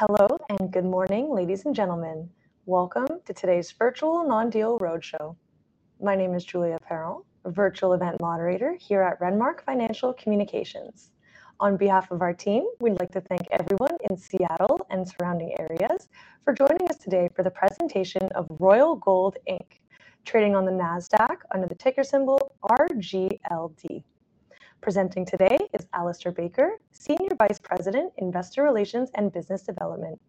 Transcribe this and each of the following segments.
Hello and good morning, ladies and gentlemen. Welcome to today's virtual non-deal roadshow. My name is Julia Perrell, virtual event moderator here at Renmark Financial Communications. On behalf of our team, we'd like to thank everyone in Seattle and surrounding areas for joining us today for the presentation of Royal Gold Inc., trading on the Nasdaq under the ticker symbol RGLD. Presenting today is Alistair Baker, Senior Vice President, Investor Relations and Business Development.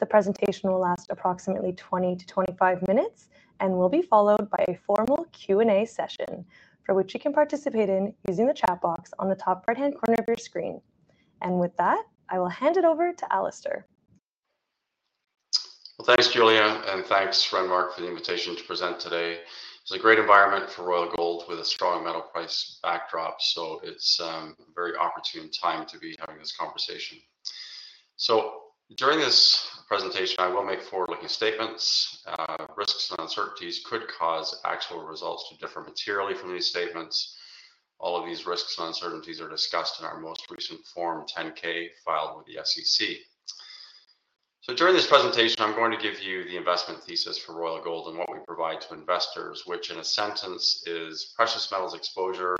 The presentation will last approximately 20 to 25 minutes and will be followed by a formal Q&A session for which you can participate in using the chat box on the top right-hand corner of your screen. With that, I will hand it over to Alistair. Well, thanks, Julia, and thanks, Renmark, for the invitation to present today. It's a great environment for Royal Gold with a strong metal price backdrop, so it's a very opportune time to be having this conversation. So during this presentation, I will make forward-looking statements. Risks and uncertainties could cause actual results to differ materially from these statements. All of these risks and uncertainties are discussed in our most recent Form 10-K, filed with the SEC. So during this presentation, I'm going to give you the investment thesis for Royal Gold and what we provide to investors, which in a sentence is precious metals exposure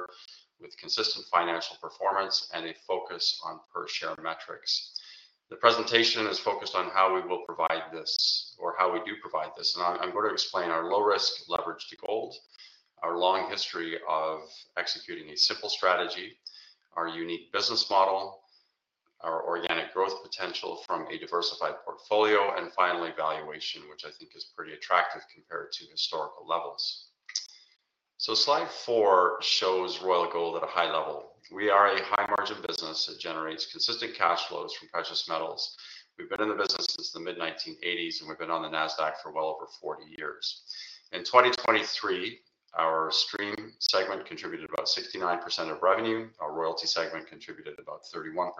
with consistent financial performance and a focus on per-share metrics. The presentation is focused on how we will provide this, or how we do provide this. I'm going to explain our low-risk leveraged gold, our long history of executing a simple strategy, our unique business model, our organic growth potential from a diversified portfolio, and finally, valuation, which I think is pretty attractive compared to historical levels. Slide four shows Royal Gold at a high level. We are a high-margin business that generates consistent cash flows from precious metals. We've been in the business since the mid-1980s, and we've been on the Nasdaq for well over 40 years. In 2023, our stream segment contributed about 69% of revenue. Our royalty segment contributed about 31%.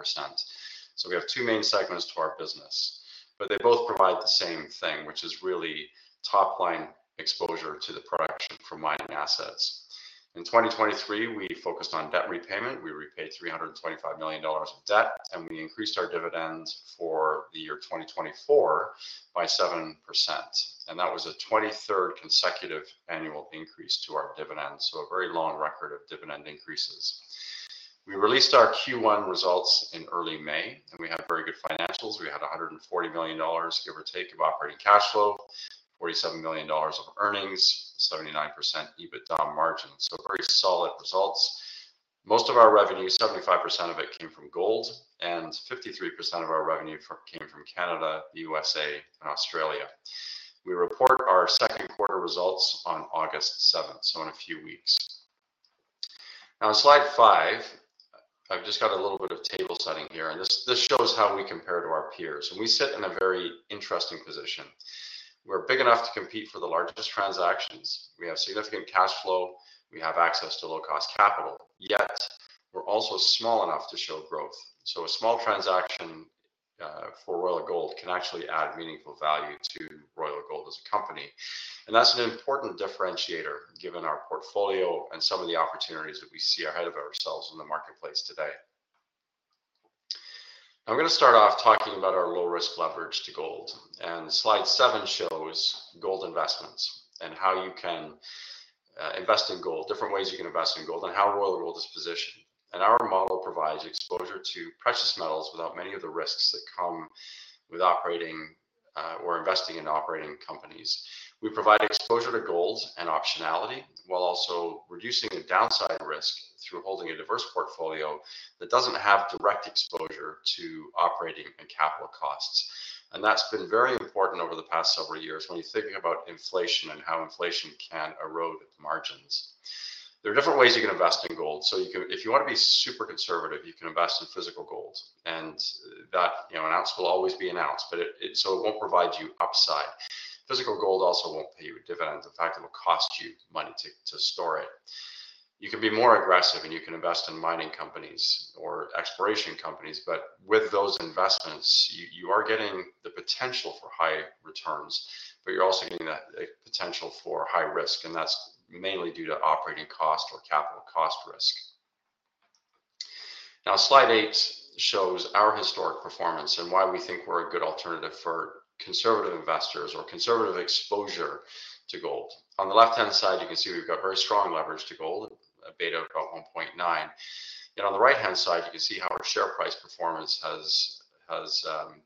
We have two main segments to our business, but they both provide the same thing, which is really top-line exposure to the production from mining assets. In 2023, we focused on debt repayment. We repaid $325 million of debt, and we increased our dividends for the year 2024 by 7%. That was a 23rd consecutive annual increase to our dividends, so a very long record of dividend increases. We released our Q1 results in early May, and we had very good financials. We had $140 million, give or take, of operating cash flow, $47 million of earnings, 79% EBITDA margin, so very solid results. Most of our revenue, 75% of it, came from gold, and 53% of our revenue came from Canada, the USA, and Australia. We report our second quarter results on August 7th, so in a few weeks. Now, slide five, I've just got a little bit of table setting here, and this shows how we compare to our peers. We sit in a very interesting position. We're big enough to compete for the largest transactions. We have significant cash flow. We have access to low-cost capital. Yet we're also small enough to show growth. So a small transaction for Royal Gold can actually add meaningful value to Royal Gold as a company. And that's an important differentiator given our portfolio and some of the opportunities that we see ahead of ourselves in the marketplace today. I'm going to start off talking about our low-risk leveraged gold. And slide seven shows gold investments and how you can invest in gold, different ways you can invest in gold, and how Royal Gold is positioned. And our model provides exposure to precious metals without many of the risks that come with operating or investing in operating companies. We provide exposure to gold and optionality while also reducing the downside risk through holding a diverse portfolio that doesn't have direct exposure to operating and capital costs. That's been very important over the past several years when you're thinking about inflation and how inflation can erode margins. There are different ways you can invest in gold. If you want to be super conservative, you can invest in physical gold. That announcement will always be announced, but so it won't provide you upside. Physical gold also won't pay you a dividend. In fact, it will cost you money to store it. You can be more aggressive, and you can invest in mining companies or exploration companies. With those investments, you are getting the potential for high returns, but you're also getting the potential for high risk. That's mainly due to operating cost or capital cost risk. Now, slide eight shows our historic performance and why we think we're a good alternative for conservative investors or conservative exposure to gold. On the left-hand side, you can see we've got very strong leverage to gold, a beta of about 1.9. On the right-hand side, you can see how our share price performance has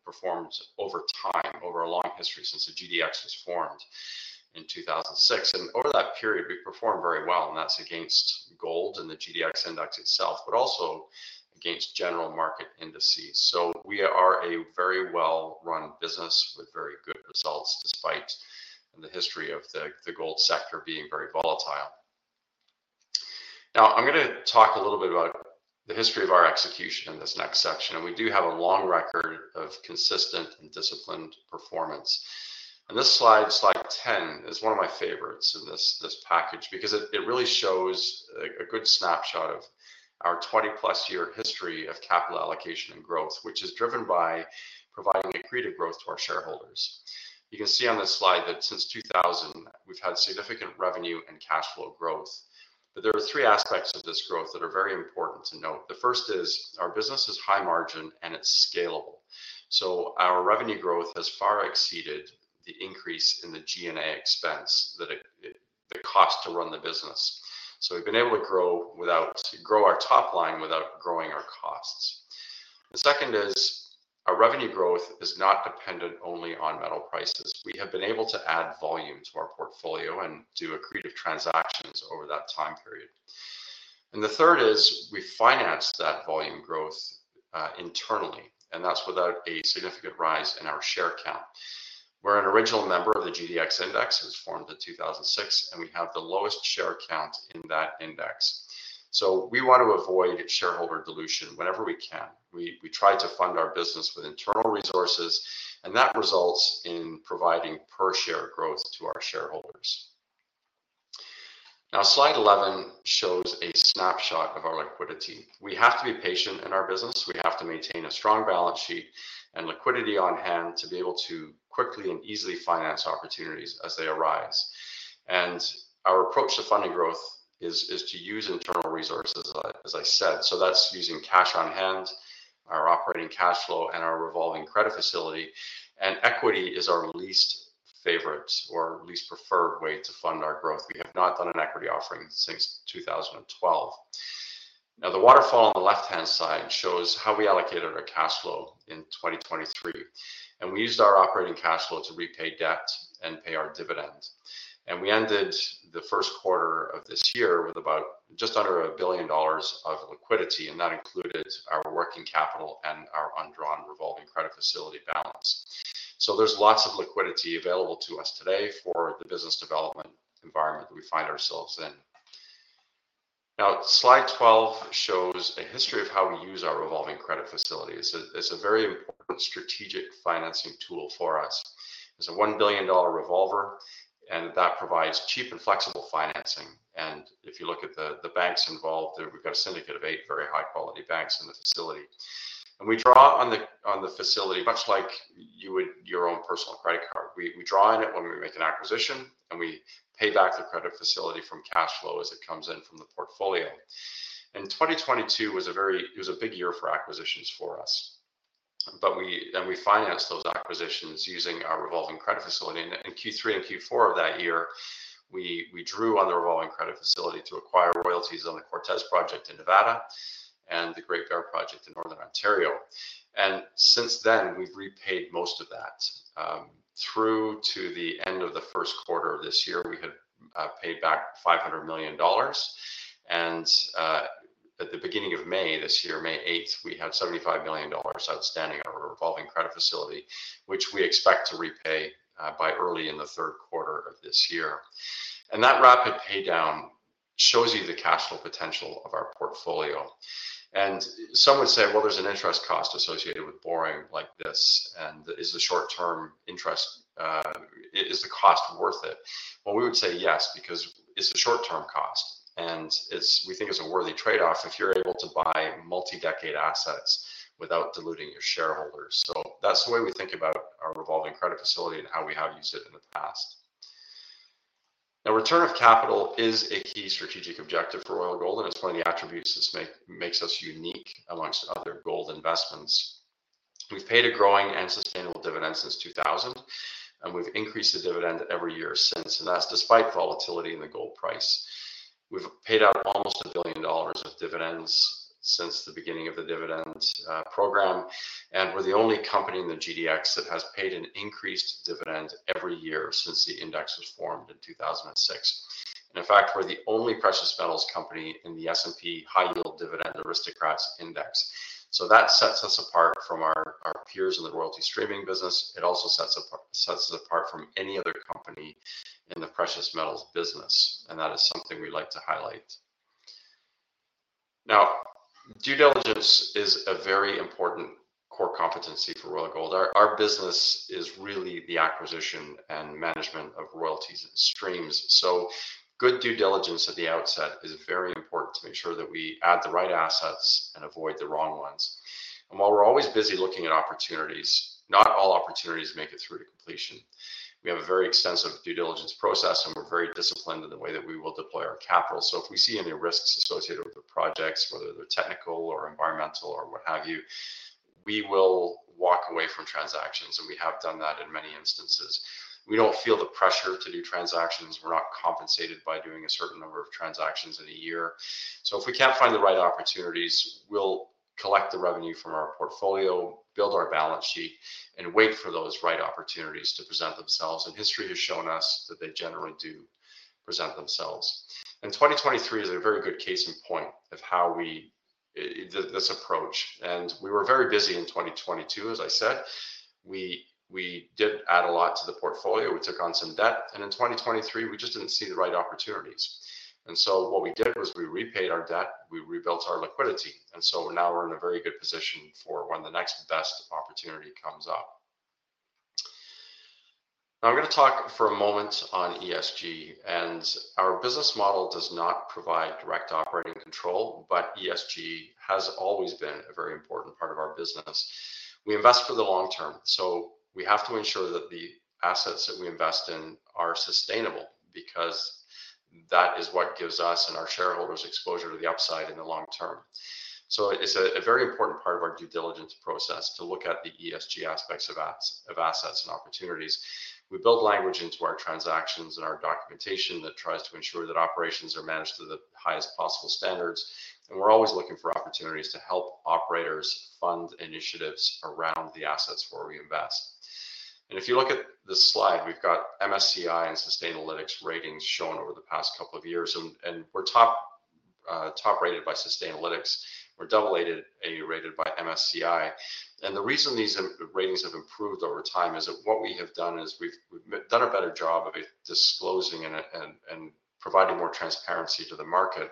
performed over time, over a long history since the GDX was formed in 2006. Over that period, we performed very well. That's against gold and the GDX index itself, but also against general market indices. We are a very well-run business with very good results despite the history of the gold sector being very volatile. Now, I'm going to talk a little bit about the history of our execution in this next section. We do have a long record of consistent and disciplined performance. And this slide, slide 10, is one of my favorites in this package because it really shows a good snapshot of our 20+ year history of capital allocation and growth, which is driven by providing accretive growth to our shareholders. You can see on this slide that since 2000, we've had significant revenue and cash flow growth. But there are three aspects of this growth that are very important to note. The first is our business is high margin and it's scalable. So our revenue growth has far exceeded the increase in the G&A expense that it costs to run the business. So we've been able to grow our top line without growing our costs. The second is our revenue growth is not dependent only on metal prices. We have been able to add volume to our portfolio and do accretive transactions over that time period. And the third is we finance that volume growth internally. And that's without a significant rise in our share count. We're an original member of the GDX index. It was formed in 2006, and we have the lowest share count in that index. So we want to avoid shareholder dilution whenever we can. We try to fund our business with internal resources, and that results in providing per-share growth to our shareholders. Now, slide 11 shows a snapshot of our liquidity. We have to be patient in our business. We have to maintain a strong balance sheet and liquidity on hand to be able to quickly and easily finance opportunities as they arise. And our approach to funding growth is to use internal resources, as I said. So that's using cash on hand, our operating cash flow, and our revolving credit facility. Equity is our least favorite or least preferred way to fund our growth. We have not done an equity offering since 2012. Now, the waterfall on the left-hand side shows how we allocated our cash flow in 2023. And we used our operating cash flow to repay debt and pay our dividend. And we ended the first quarter of this year with about just under $1 billion of liquidity. And that included our working capital and our undrawn revolving credit facility balance. So there's lots of liquidity available to us today for the business development environment that we find ourselves in. Now, slide 12 shows a history of how we use our revolving credit facility. It's a very important strategic financing tool for us. It's a $1 billion revolver, and that provides cheap and flexible financing. If you look at the banks involved, we've got a syndicate of eight of very high-quality banks in the facility. We draw on the facility much like you would your own personal credit card. We draw on it when we make an acquisition, and we pay back the credit facility from cash flow as it comes in from the portfolio. 2022 was a big year for acquisitions for us. But we financed those acquisitions using our revolving credit facility. In Q3 and Q4 of that year, we drew on the revolving credit facility to acquire royalties on the Cortez Project in Nevada and the Great Bear Project in Northern Ontario. Since then, we've repaid most of that. Through to the end of the first quarter of this year, we had paid back $500 million. At the beginning of May this year, May 8th, we had $75 million outstanding on our revolving credit facility, which we expect to repay by early in the third quarter of this year. That rapid paydown shows you the cash flow potential of our portfolio. Some would say, well, there's an interest cost associated with borrowing like this. Is the short-term interest, is the cost worth it? Well, we would say yes because it's a short-term cost. We think it's a worthy trade-off if you're able to buy multi-decade assets without diluting your shareholders. That's the way we think about our revolving credit facility and how we have used it in the past. Now, return of capital is a key strategic objective for Royal Gold, and it's one of the attributes that makes us unique amongst other gold investments. We've paid a growing and sustainable dividend since 2000, and we've increased the dividend every year since. That's despite volatility in the gold price. We've paid out almost $1 billion of dividends since the beginning of the dividend program. We're the only company in the GDX that has paid an increased dividend every year since the index was formed in 2006. In fact, we're the only precious metals company in the S&P High Yield Dividend Aristocrats Index. That sets us apart from our peers in the royalty streaming business. It also sets us apart from any other company in the precious metals business. That's something we like to highlight. Due diligence is a very important core competency for Royal Gold. Our business is really the acquisition and management of royalties and streams. Good due diligence at the outset is very important to make sure that we add the right assets and avoid the wrong ones. While we're always busy looking at opportunities, not all opportunities make it through to completion. We have a very extensive due diligence process, and we're very disciplined in the way that we will deploy our capital. If we see any risks associated with the projects, whether they're technical or environmental or what have you, we will walk away from transactions. We have done that in many instances. We don't feel the pressure to do transactions. We're not compensated by doing a certain number of transactions in a year. If we can't find the right opportunities, we'll collect the revenue from our portfolio, build our balance sheet, and wait for those right opportunities to present themselves. History has shown us that they generally do present themselves. 2023 is a very good case in point of how we did this approach. We were very busy in 2022, as I said. We did add a lot to the portfolio. We took on some debt. In 2023, we just didn't see the right opportunities. So what we did was we repaid our debt. We rebuilt our liquidity. So now we're in a very good position for when the next best opportunity comes up. Now, I'm going to talk for a moment on ESG. Our business model does not provide direct operating control, but ESG has always been a very important part of our business. We invest for the long term. So we have to ensure that the assets that we invest in are sustainable because that is what gives us and our shareholders exposure to the upside in the long term. So it's a very important part of our due diligence process to look at the ESG aspects of assets and opportunities. We build language into our transactions and our documentation that tries to ensure that operations are managed to the highest possible standards. And we're always looking for opportunities to help operators fund initiatives around the assets where we invest. And if you look at this slide, we've got MSCI and Sustainalytics ratings shown over the past couple of years. And we're top-rated by Sustainalytics. We're double-A-rated by MSCI. The reason these ratings have improved over time is that what we have done is we've done a better job of disclosing and providing more transparency to the market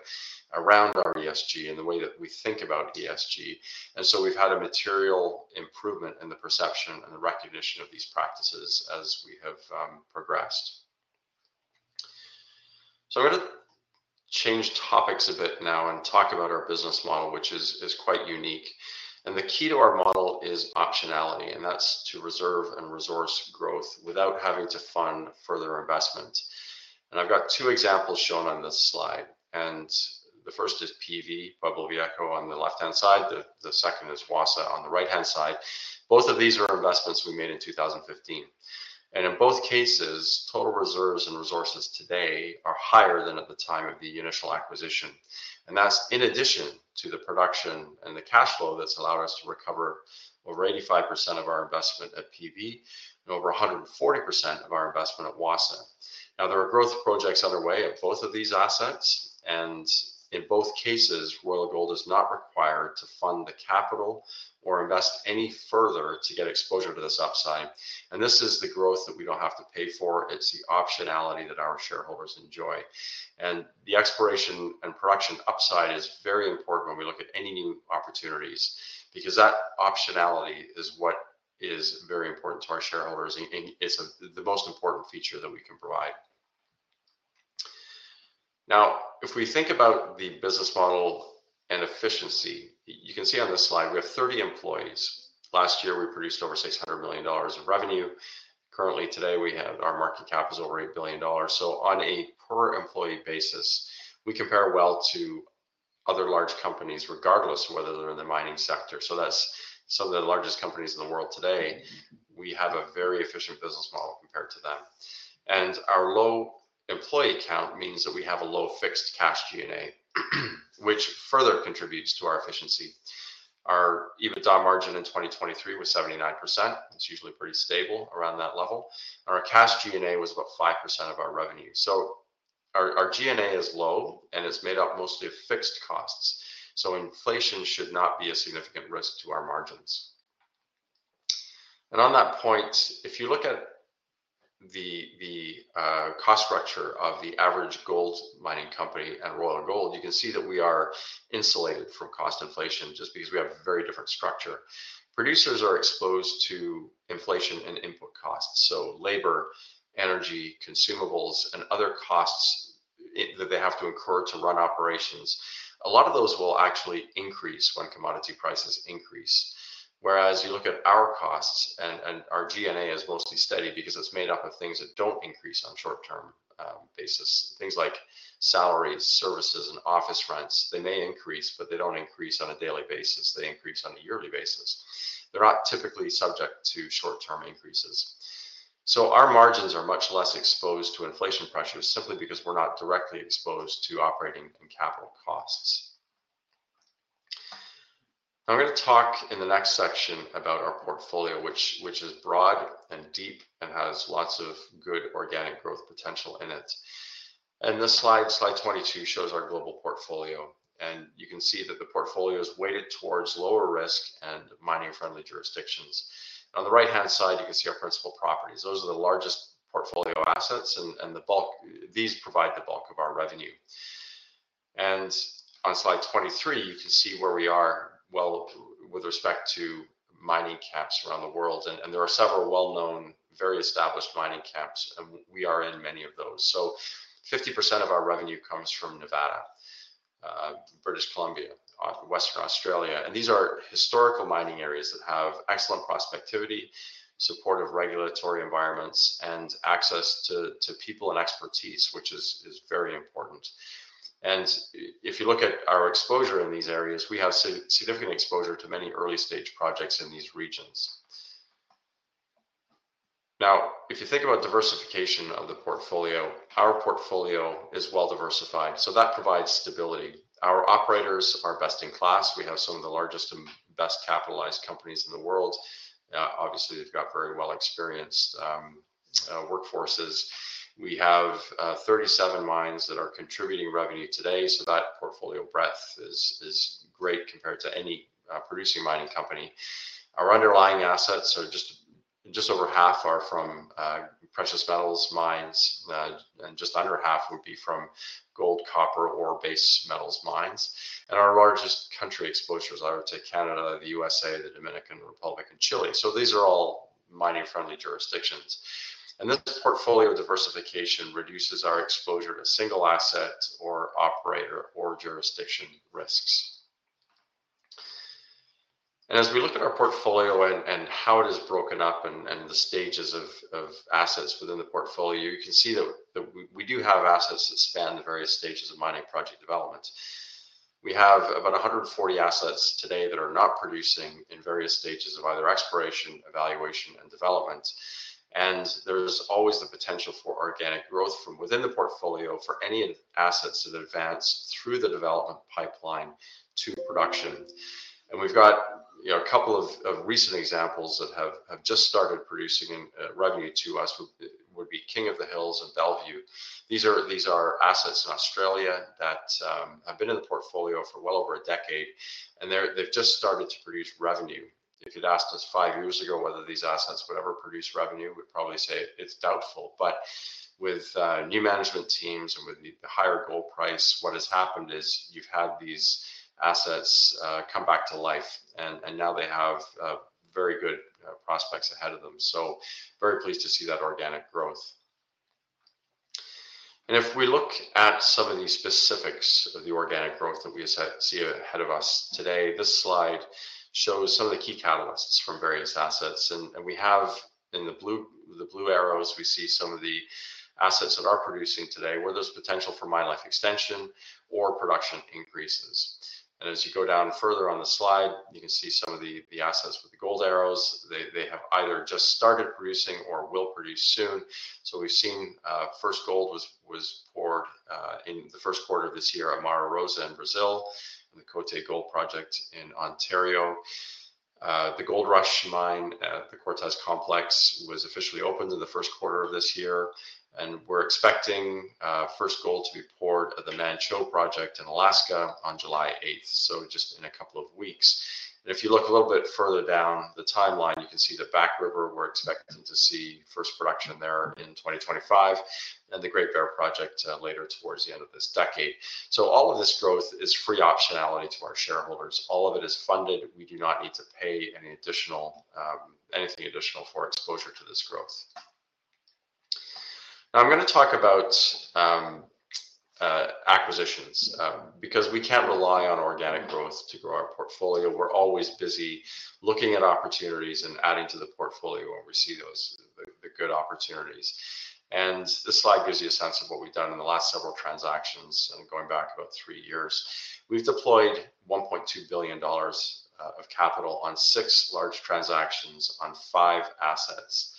around our ESG and the way that we think about ESG. So we've had a material improvement in the perception and the recognition of these practices as we have progressed. I'm going to change topics a bit now and talk about our business model, which is quite unique. The key to our model is optionality. That's to reserve and resource growth without having to fund further investments. I've got two examples shown on this slide. The first is PV, Pueblo Viejo, on the left-hand side. The second is Wassa on the right-hand side. Both of these are investments we made in 2015. In both cases, total reserves and resources today are higher than at the time of the initial acquisition. That's in addition to the production and the cash flow that's allowed us to recover over 85% of our investment at PV and over 140% of our investment at Wassa. Now, there are growth projects underway at both of these assets. In both cases, Royal Gold is not required to fund the capital or invest any further to get exposure to this upside. This is the growth that we don't have to pay for. It's the optionality that our shareholders enjoy. The exploration and production upside is very important when we look at any new opportunities because that optionality is what is very important to our shareholders. It's the most important feature that we can provide. Now, if we think about the business model and efficiency, you can see on this slide, we have 30 employees. Last year, we produced over $600 million of revenue. Currently, today, we have our market cap is over $8 billion. So on a per-employee basis, we compare well to other large companies, regardless of whether they're in the mining sector. So that's some of the largest companies in the world today. We have a very efficient business model compared to them. And our low employee count means that we have a low fixed cash G&A, which further contributes to our efficiency. Our EBITDA margin in 2023 was 79%. It's usually pretty stable around that level. And our cash G&A was about 5% of our revenue. So our G&A is low, and it's made up mostly of fixed costs. So inflation should not be a significant risk to our margins. On that point, if you look at the cost structure of the average gold mining company and Royal Gold, you can see that we are insulated from cost inflation just because we have a very different structure. Producers are exposed to inflation and input costs. So labor, energy, consumables, and other costs that they have to incur to run operations, a lot of those will actually increase when commodity prices increase. Whereas you look at our costs, and our G&A is mostly steady because it's made up of things that don't increase on a short-term basis. Things like salaries, services, and office rents, they may increase, but they don't increase on a daily basis. They increase on a yearly basis. They're not typically subject to short-term increases. So our margins are much less exposed to inflation pressures simply because we're not directly exposed to operating and capital costs. I'm going to talk in the next section about our portfolio, which is broad and deep and has lots of good organic growth potential in it. This slide, slide 22, shows our global portfolio. You can see that the portfolio is weighted toward lower risk and mining-friendly jurisdictions. On the right-hand side, you can see our principal properties. Those are the largest portfolio assets, and these provide the bulk of our revenue. On slide 23, you can see where we are with respect to mining camps around the world. There are several well-known, very established mining camps, and we are in many of those. So 50% of our revenue comes from Nevada, British Columbia, Western Australia. These are historical mining areas that have excellent prospectivity, supportive regulatory environments, and access to people and expertise, which is very important. If you look at our exposure in these areas, we have significant exposure to many early-stage projects in these regions. Now, if you think about diversification of the portfolio, our portfolio is well-diversified. So that provides stability. Our operators are best in class. We have some of the largest and best-capitalized companies in the world. Obviously, they've got very well-experienced workforces. We have 37 mines that are contributing revenue today. So that portfolio breadth is great compared to any producing mining company. Our underlying assets, so just over half, are from precious metals mines, and just under half would be from gold, copper, or base metals mines. And our largest country exposures are to Canada, the USA, the Dominican Republic, and Chile. So these are all mining-friendly jurisdictions. And this portfolio diversification reduces our exposure to single asset or operator or jurisdiction risks. As we look at our portfolio and how it is broken up and the stages of assets within the portfolio, you can see that we do have assets that span the various stages of mining project development. We have about 140 assets today that are not producing in various stages of either exploration, evaluation, and development. There's always the potential for organic growth from within the portfolio for any assets that advance through the development pipeline to production. We've got a couple of recent examples that have just started producing revenue to us, would be King of the Hills and Bellevue. These are assets in Australia that have been in the portfolio for well over a decade, and they've just started to produce revenue. If you'd asked us five years ago whether these assets would ever produce revenue, we'd probably say it's doubtful. But with new management teams and with the higher gold price, what has happened is you've had these assets come back to life, and now they have very good prospects ahead of them. So very pleased to see that organic growth. And if we look at some of the specifics of the organic growth that we see ahead of us today, this slide shows some of the key catalysts from various assets. And we have in the blue arrows, we see some of the assets that are producing today where there's potential for mine life extension or production increases. And as you go down further on the slide, you can see some of the assets with the gold arrows. They have either just started producing or will produce soon. So we've seen first gold was poured in the first quarter of this year at Mara Rosa in Brazil and the Côté Gold Project in Ontario. The Goldrush Mine at the Cortez Complex was officially opened in the first quarter of this year. And we're expecting first gold to be poured at the Manh Choh Project in Alaska on July 8th, so just in a couple of weeks. And if you look a little bit further down the timeline, you can see the Back River. We're expecting to see first production there in 2025 and the Great Bear Project later towards the end of this decade. So all of this growth is free optionality to our shareholders. All of it is funded. We do not need to pay anything additional for exposure to this growth. Now, I'm going to talk about acquisitions because we can't rely on organic growth to grow our portfolio. We're always busy looking at opportunities and adding to the portfolio when we see the good opportunities. This slide gives you a sense of what we've done in the last several transactions. Going back about three years, we've deployed $1.2 billion of capital on six large transactions on five assets.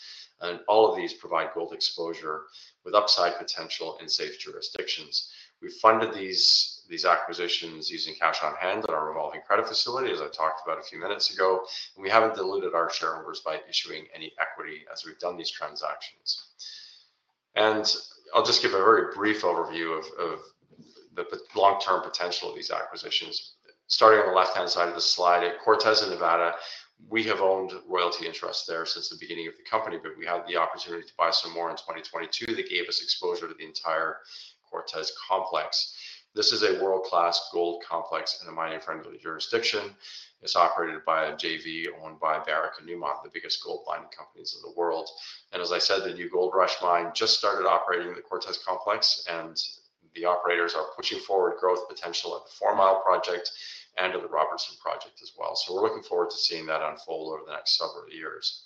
All of these provide gold exposure with upside potential in safe jurisdictions. We've funded these acquisitions using cash on hand at our revolving credit facility, as I talked about a few minutes ago. We haven't diluted our shareholders by issuing any equity as we've done these transactions. I'll just give a very brief overview of the long-term potential of these acquisitions. Starting on the left-hand side of the slide, at Cortez in Nevada, we have owned royalty interest there since the beginning of the company, but we had the opportunity to buy some more in 2022 that gave us exposure to the entire Cortez Complex. This is a world-class gold complex in a mining-friendly jurisdiction. It's operated by a JV owned by Barrick and Newmont, the biggest gold mining companies in the world. And as I said, the new Gold Rush mine just started operating in the Cortez Complex, and the operators are pushing forward growth potential at the Fourmile Project and at the Robertson Project as well. So we're looking forward to seeing that unfold over the next several years.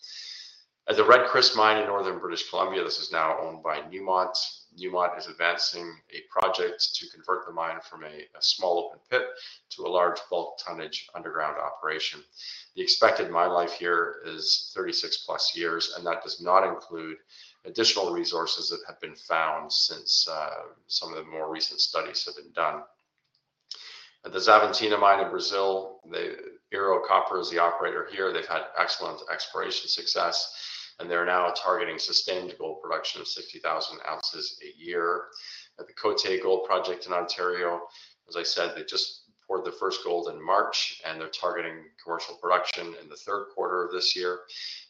At the Red Chris mine in northern British Columbia, this is now owned by Newmont. Newmont is advancing a project to convert the mine from a small open pit to a large bulk tonnage underground operation. The expected mine life here is 36+ years, and that does not include additional resources that have been found since some of the more recent studies have been done. At the Xavantina mine in Brazil, the Ero Copper is the operator here. They've had excellent exploration success, and they're now targeting sustained gold production of 60,000 ounces a year. At the Côté Gold Project in Ontario, as I said, they just poured the first gold in March, and they're targeting commercial production in the third quarter of this year.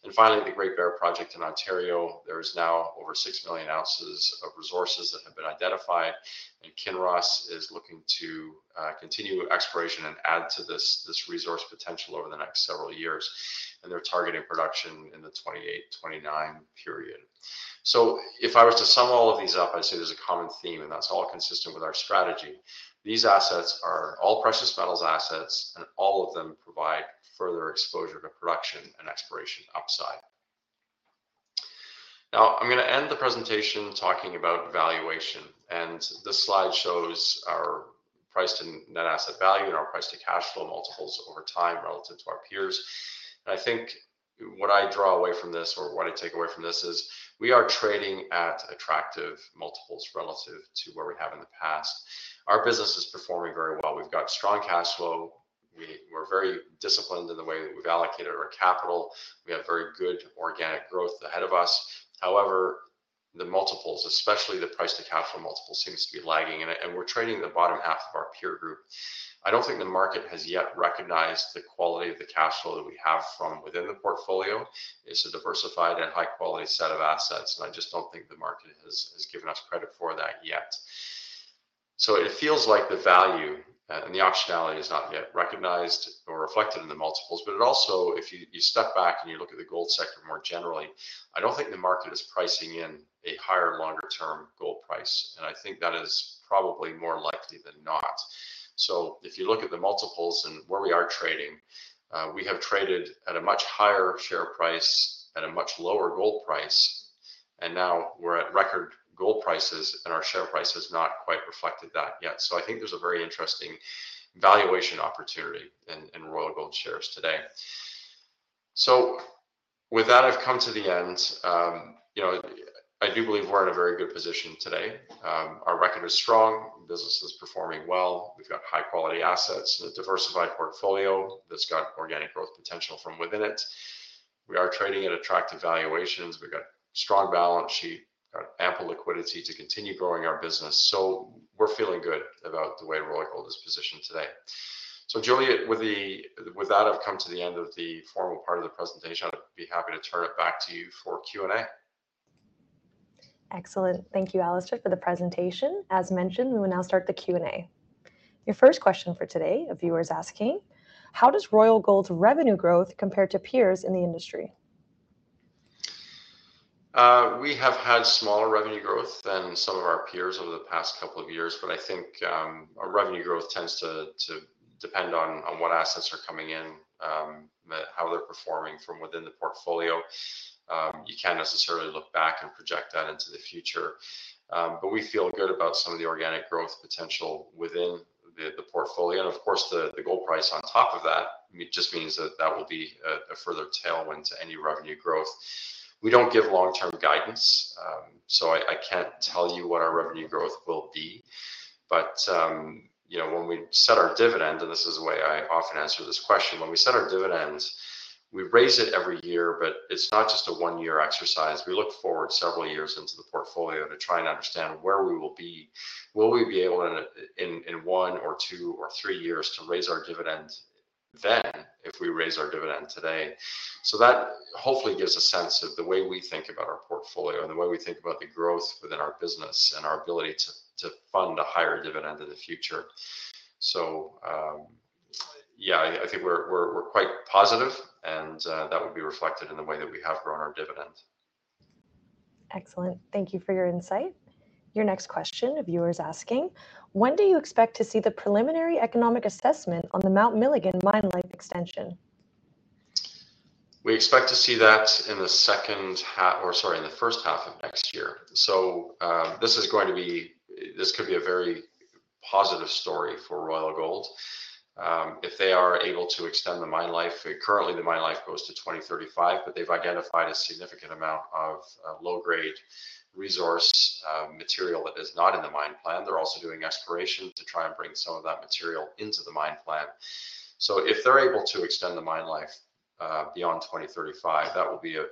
And finally, the Great Bear Project in Ontario, there is now over 6 million ounces of resources that have been identified. Kinross is looking to continue exploration and add to this resource potential over the next several years. They're targeting production in the 2028-2029 period. So if I was to sum all of these up, I'd say there's a common theme, and that's all consistent with our strategy. These assets are all precious metals assets, and all of them provide further exposure to production and exploration upside. Now, I'm going to end the presentation talking about valuation. This slide shows our price to net asset value and our price to cash flow multiples over time relative to our peers. I think what I draw away from this or what I take away from this is we are trading at attractive multiples relative to where we have in the past. Our business is performing very well. We've got strong cash flow. We're very disciplined in the way that we've allocated our capital. We have very good organic growth ahead of us. However, the multiples, especially the price to cash flow multiples, seems to be lagging, and we're trading the bottom half of our peer group. I don't think the market has yet recognized the quality of the cash flow that we have from within the portfolio. It's a diversified and high-quality set of assets, and I just don't think the market has given us credit for that yet. So it feels like the value and the optionality is not yet recognized or reflected in the multiples, but it also, if you step back and you look at the gold sector more generally, I don't think the market is pricing in a higher longer-term gold price. I think that is probably more likely than not. So if you look at the multiples and where we are trading, we have traded at a much higher share price at a much lower gold price, and now we're at record gold prices, and our share price has not quite reflected that yet. So I think there's a very interesting valuation opportunity in Royal Gold shares today. So with that, I've come to the end. I do believe we're in a very good position today. Our record is strong. The business is performing well. We've got high-quality assets and a diversified portfolio that's got organic growth potential from within it. We are trading at attractive valuations. We've got a strong balance sheet, got ample liquidity to continue growing our business. So we're feeling good about the way Royal Gold is positioned today. So Julia, with that, I've come to the end of the formal part of the presentation. I'd be happy to turn it back to you for Q&A. Excellent. Thank you, Alistair, for the presentation. As mentioned, we will now start the Q&A. Your first question for today, a viewer is asking, how does Royal Gold's revenue growth compare to peers in the industry? We have had smaller revenue growth than some of our peers over the past couple of years, but I think our revenue growth tends to depend on what assets are coming in, how they're performing from within the portfolio. You can't necessarily look back and project that into the future. But we feel good about some of the organic growth potential within the portfolio. And of course, the gold price on top of that just means that that will be a further tailwind to any revenue growth. We don't give long-term guidance, so I can't tell you what our revenue growth will be. But when we set our dividend, and this is the way I often answer this question, when we set our dividend, we raise it every year, but it's not just a one-year exercise. We look forward several years into the portfolio to try and understand where we will be. Will we be able in one or two or three years to raise our dividend then if we raise our dividend today? So that hopefully gives a sense of the way we think about our portfolio and the way we think about the growth within our business and our ability to fund a higher dividend in the future. So yeah, I think we're quite positive, and that would be reflected in the way that we have grown our dividend. Excellent. Thank you for your insight. Your next question, a viewer is asking, when do you expect to see the Preliminary Economic Assessment on the Mount Milligan mine life extension? We expect to see that in the second half or, sorry, in the first half of next year. So this is going to be this could be a very positive story for Royal Gold. If they are able to extend the mine life, currently the mine life goes to 2035, but they've identified a significant amount of low-grade resource material that is not in the mine plan. They're also doing exploration to try and bring some of that material into the mine plan. So if they're able to extend the mine life beyond 2035, that will be a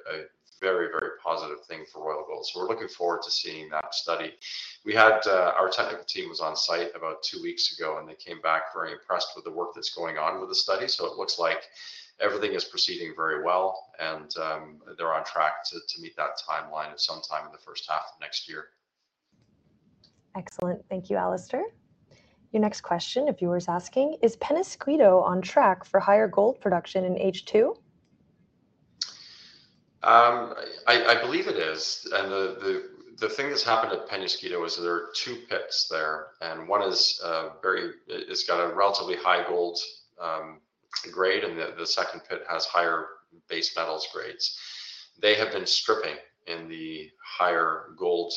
very, very positive thing for Royal Gold. So we're looking forward to seeing that study. Our technical team was on site about two weeks ago, and they came back very impressed with the work that's going on with the study. So it looks like everything is proceeding very well, and they're on track to meet that timeline of sometime in the first half of next year. Excellent. Thank you, Alistair. Your next question, a viewer is asking, is Peñasquito on track for higher gold production in H2? I believe it is. And the thing that's happened at Peñasquito is there are two pits there. And one is very. It's got a relatively high gold grade, and the second pit has higher base metals grades. They have been stripping in the higher gold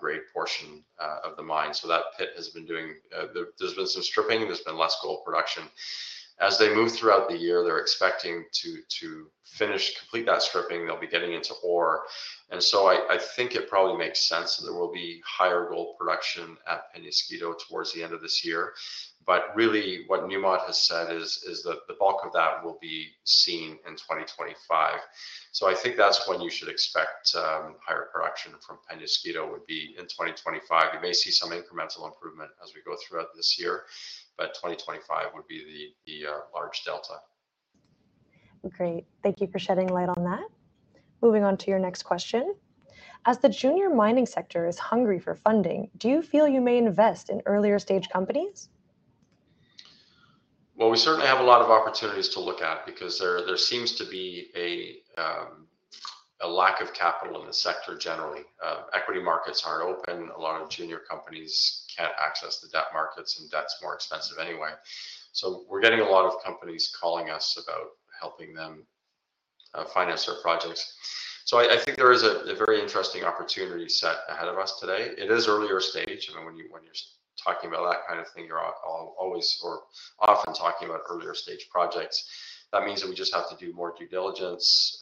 grade portion of the mine. So that pit has been doing. There's been some stripping. There's been less gold production. As they move throughout the year, they're expecting to finish complete that stripping. They'll be getting into ore. And so I think it probably makes sense that there will be higher gold production at Peñasquito towards the end of this year. But really, what Newmont has said is that the bulk of that will be seen in 2025. So I think that's when you should expect higher production from Peñasquito would be in 2025. You may see some incremental improvement as we go throughout this year, but 2025 would be the large delta. Great. Thank you for shedding light on that. Moving on to your next question. As the junior mining sector is hungry for funding, do you feel you may invest in earlier stage companies? Well, we certainly have a lot of opportunities to look at because there seems to be a lack of capital in the sector generally. Equity markets aren't open. A lot of junior companies can't access the debt markets, and debt's more expensive anyway. So we're getting a lot of companies calling us about helping them finance their projects. So I think there is a very interesting opportunity set ahead of us today. It is earlier stage. I mean, when you're talking about that kind of thing, you're always or often talking about earlier stage projects. That means that we just have to do more due diligence.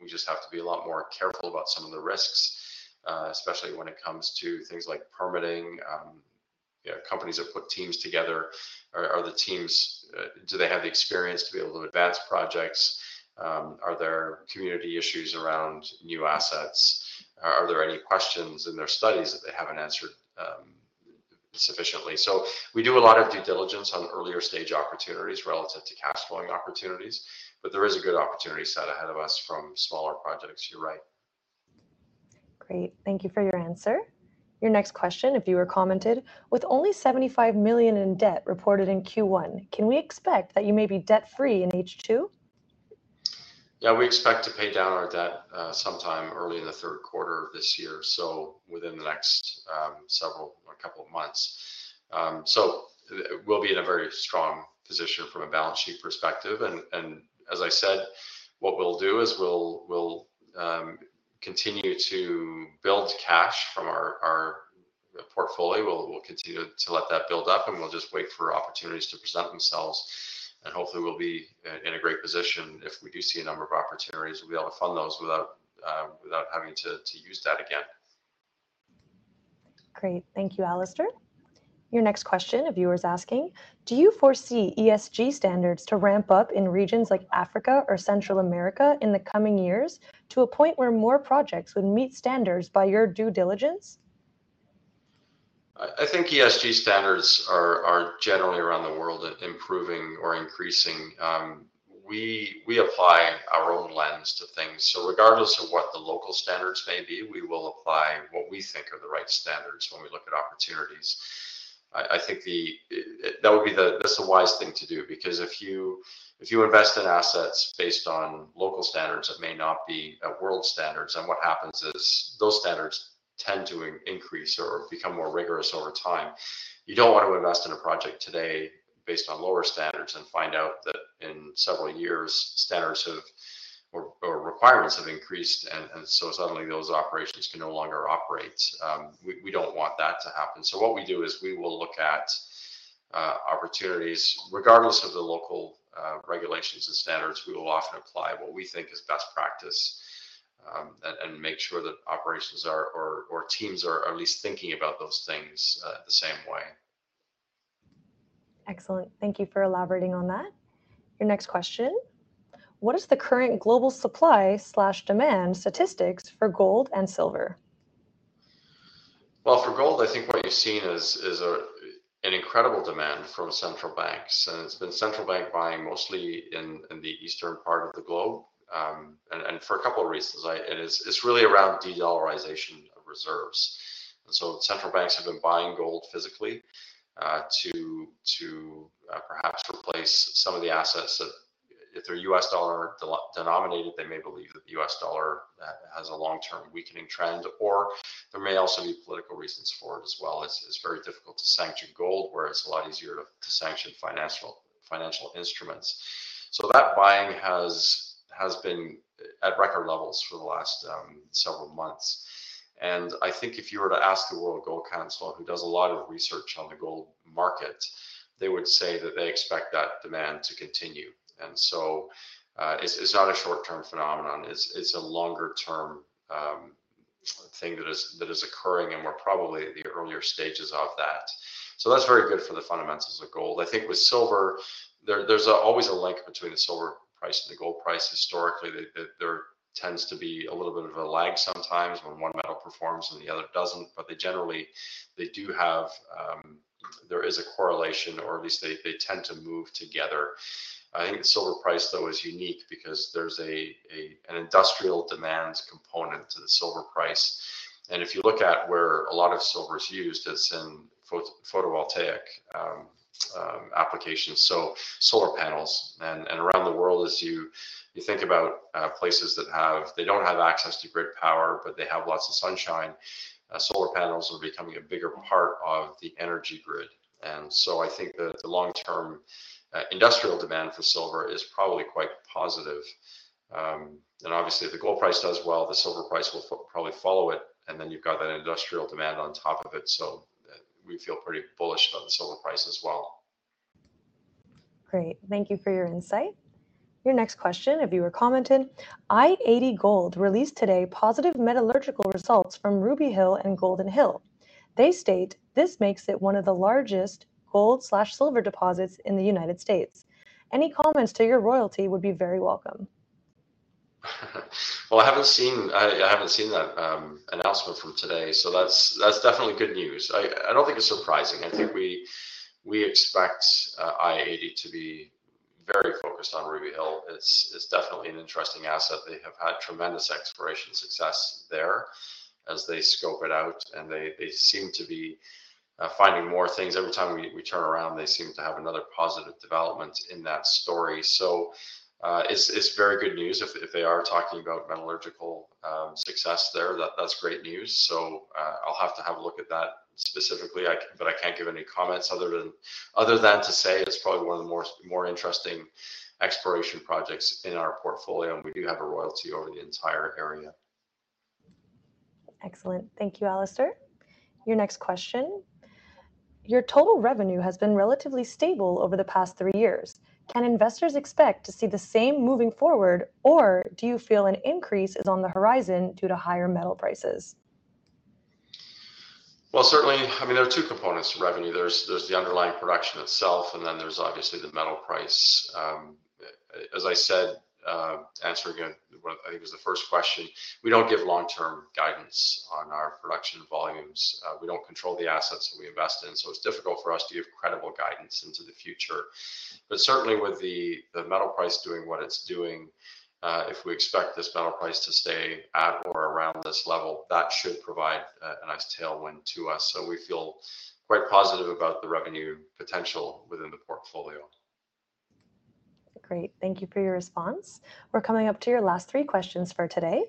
We just have to be a lot more careful about some of the risks, especially when it comes to things like permitting. Companies that put teams together, are the teams do they have the experience to be able to advance projects? Are there community issues around new assets? Are there any questions in their studies that they haven't answered sufficiently? So we do a lot of due diligence on earlier stage opportunities relative to cash flowing opportunities, but there is a good opportunity set ahead of us from smaller projects, you're right. Great. Thank you for your answer. Your next question, a viewer commented, with only $75 million in debt reported in Q1, can we expect that you may be debt-free in a H2? Yeah, we expect to pay down our debt sometime early in the third quarter of this year, so within the next several or a couple of months. So we'll be in a very strong position from a balance sheet perspective. And as I said, what we'll do is we'll continue to build cash from our portfolio. We'll continue to let that build up, and we'll just wait for opportunities to present themselves. And hopefully, we'll be in a great position. If we do see a number of opportunities, we'll be able to fund those without having to use debt again. Great. Thank you, Alistair. Your next question, a viewer is asking, do you foresee ESG standards to ramp up in regions like Africa or Central America in the coming years to a point where more projects would meet standards by your due diligence? I think ESG standards are generally around the world improving or increasing. We apply our own lens to things. So regardless of what the local standards may be, we will apply what we think are the right standards when we look at opportunities. I think that would be the best and wisest thing to do because if you invest in assets based on local standards that may not be world standards, then what happens is those standards tend to increase or become more rigorous over time. You don't want to invest in a project today based on lower standards and find out that in several years, standards or requirements have increased, and so suddenly those operations can no longer operate. We don't want that to happen. So what we do is we will look at opportunities. Regardless of the local regulations and standards, we will often apply what we think is best practice and make sure that operations or teams are at least thinking about those things the same way. Excellent. Thank you for elaborating on that. Your next question, what is the current global supply/demand statistics for gold and silver? Well, for gold, I think what you've seen is an incredible demand from central banks. And it's been central bank buying mostly in the eastern part of the globe and for a couple of reasons. And it's really around de-dollarization of reserves. And so central banks have been buying gold physically to perhaps replace some of the assets that, if they're US dollar denominated, they may believe that the US dollar has a long-term weakening trend, or there may also be political reasons for it as well. It's very difficult to sanction gold, whereas it's a lot easier to sanction financial instruments. So that buying has been at record levels for the last several months. And I think if you were to ask the World Gold Council, who does a lot of research on the gold market, they would say that they expect that demand to continue. And so it's not a short-term phenomenon. It's a longer-term thing that is occurring, and we're probably in the earlier stages of that. So that's very good for the fundamentals of gold. I think with silver, there's always a link between the silver price and the gold price. Historically, there tends to be a little bit of a lag sometimes when one metal performs and the other doesn't, but they generally do have. There is a correlation, or at least they tend to move together. I think the silver price, though, is unique because there's an industrial demand component to the silver price. And if you look at where a lot of silver is used, it's in photovoltaic applications, so solar panels. And around the world, as you think about places that don't have access to grid power, but they have lots of sunshine, solar panels are becoming a bigger part of the energy grid. And so I think the long-term industrial demand for silver is probably quite positive. And obviously, if the gold price does well, the silver price will probably follow it, and then you've got that industrial demand on top of it. So we feel pretty bullish on the silver price as well. Great. Thank you for your insight. Your next question, a viewer commented, i-80 Gold released today positive metallurgical results from Ruby Hill and Golden Hill. They state this makes it one of the largest gold/silver deposits in the United States. Any comments to your royalty would be very welcome. Well, I haven't seen that announcement from today, so that's definitely good news. I don't think it's surprising. I think we expect i-80 to be very focused on Ruby Hill. It's definitely an interesting asset. They have had tremendous exploration success there as they scope it out, and they seem to be finding more things. Every time we turn around, they seem to have another positive development in that story. So it's very good news if they are talking about metallurgical success there. That's great news. So I'll have to have a look at that specifically, but I can't give any comments other than to say it's probably one of the more interesting exploration projects in our portfolio. We do have a royalty over the entire area. Excellent. Thank you, Alistair. Your next question, your total revenue has been relatively stable over the past three years. Can investors expect to see the same moving forward, or do you feel an increase is on the horizon due to higher metal prices? Well, certainly, I mean, there are two components to revenue. There's the underlying production itself, and then there's obviously the metal price. As I said, answering I think was the first question, we don't give long-term guidance on our production volumes. We don't control the assets that we invest in, so it's difficult for us to give credible guidance into the future. But certainly, with the metal price doing what it's doing, if we expect this metal price to stay at or around this level, that should provide a nice tailwind to us. So we feel quite positive about the revenue potential within the portfolio. Great. Thank you for your response. We're coming up to your last three questions for today.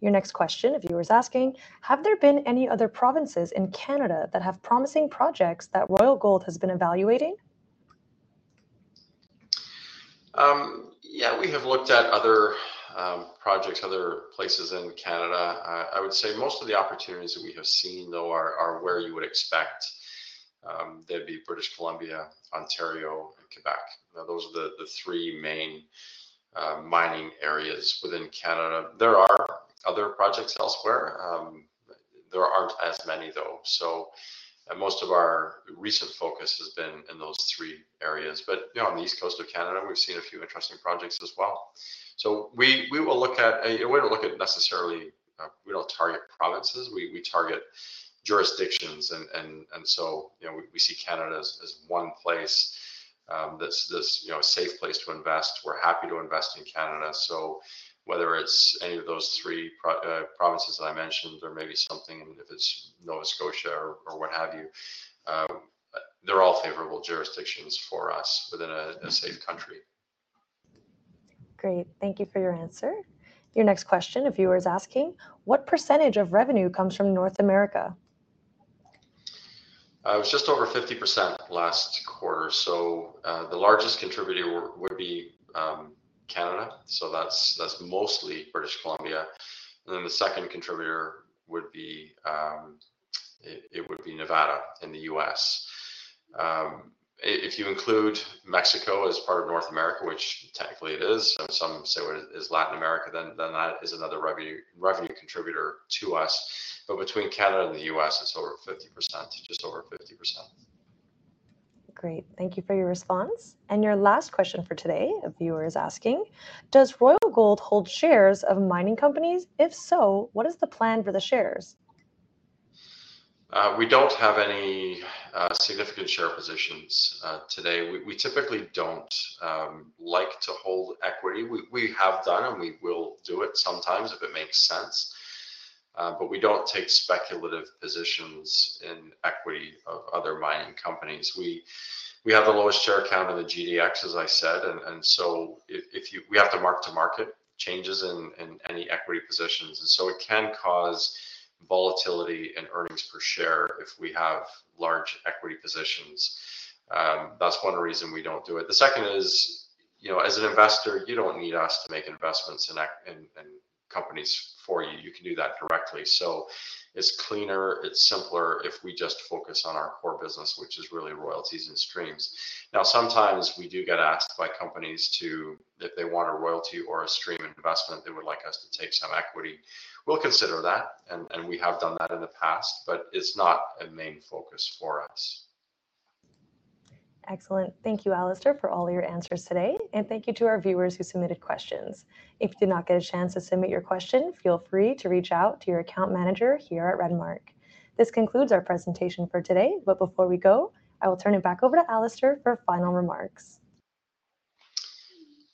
Your next question, a viewer is asking, have there been any other provinces in Canada that have promising projects that Royal Gold has been evaluating? Yeah, we have looked at other projects, other places in Canada. I would say most of the opportunities that we have seen, though, are where you would expect. They'd be British Columbia, Ontario, and Quebec. Now, those are the three main mining areas within Canada. There are other projects elsewhere. There aren't as many, though. So most of our recent focus has been in those three areas. But on the east coast of Canada, we've seen a few interesting projects as well. So we don't look at necessarily. We don't target provinces. We target jurisdictions. And so we see Canada as one place that's a safe place to invest. We're happy to invest in Canada. So whether it's any of those three provinces that I mentioned or maybe something, if it's Nova Scotia or what have you, they're all favorable jurisdictions for us within a safe country. Great. Thank you for your answer. Your next question, a viewer is asking, what percentage of revenue comes from North America? It was just over 50% last quarter. So the largest contributor would be Canada. So that's mostly British Columbia. And then the second contributor would be Nevada in the U.S. If you include Mexico as part of North America, which technically it is, and some say it is Latin America, then that is another revenue contributor to us. But between Canada and the U.S., it's over 50%, just over 50%. Great. Thank you for your response. And your last question for today, a viewer is asking, does Royal Gold hold shares of mining companies? If so, what is the plan for the shares? We don't have any significant share positions today. We typically don't like to hold equity. We have done, and we will do it sometimes if it makes sense. But we don't take speculative positions in equity of other mining companies. We have the lowest share count in the GDX, as I said. And so we have to mark-to-market changes in any equity positions. And so it can cause volatility in earnings per share if we have large equity positions. That's one reason we don't do it. The second is, as an investor, you don't need us to make investments in companies for you. You can do that directly. So it's cleaner. It's simpler if we just focus on our core business, which is really royalties and streams. Now, sometimes we do get asked by companies if they want a royalty or a stream investment, they would like us to take some equity. We'll consider that, and we have done that in the past, but it's not a main focus for us. Excellent. Thank you, Alistair, for all your answers today. Thank you to our viewers who submitted questions. If you did not get a chance to submit your question, feel free to reach out to your account manager here at Redmark. This concludes our presentation for today. Before we go, I will turn it back over to Alistair for final remarks.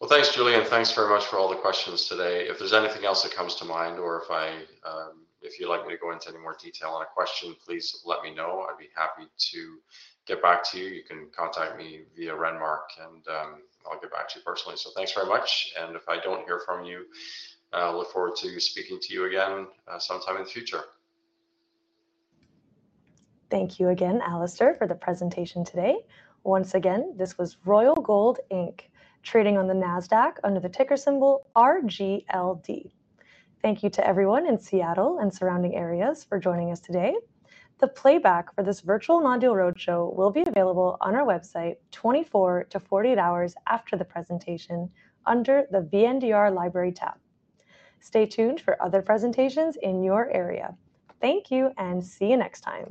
Well, thanks, Julia. And thanks very much for all the questions today. If there's anything else that comes to mind, or if you'd like me to go into any more detail on a question, please let me know. I'd be happy to get back to you. You can contact me via Redmark, and I'll get back to you personally. So thanks very much. And if I don't hear from you, I look forward to speaking to you again sometime in the future. Thank you again, Alistair, for the presentation today. Once again, this was Royal Gold Inc., trading on the Nasdaq under the ticker symbol RGLD. Thank you to everyone in Seattle and surrounding areas for joining us today. The playback for this virtual non-deal roadshow will be available on our website 24-48 hours after the presentation under the NDR Library tab. Stay tuned for other presentations in your area. Thank you, and see you next time.